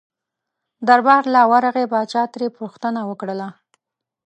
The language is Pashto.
دربار له ورغی پاچا ترې پوښتنه وکړله.